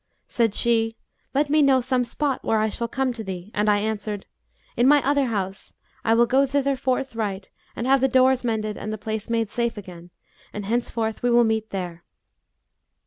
Said she, 'Let me know some spot, where I shall come to thee,' and I answered, 'In my other house, I will go thither forthright and have the doors mended and the place made safe again, and henceforth we will meet there.'